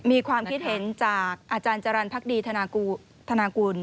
มีความคิดเห็นจากอาจารย์จรรย์พักดีธนากุล